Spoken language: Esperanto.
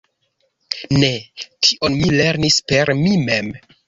Ne, tion mi lernis per mi mem.